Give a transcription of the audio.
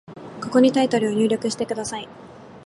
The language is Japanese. ここにタイトルを入力してください。